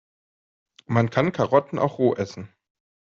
Man kann Karotten auch roh essen.